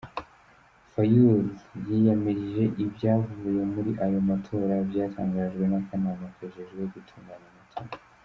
Fayulu yiyamirije ivyavuye muri ayo matora vyatangajwe n'akanama kajejwe gutunganya amatora.